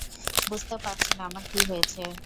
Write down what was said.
বুঝতে পারছি না আমার কী হয়েছে।